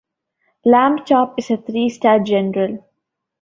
Lamb Chop is a three-star general.